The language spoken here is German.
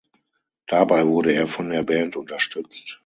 Dabei wurde er von der Band unterstützt.